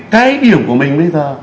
cái điểm của mình bây giờ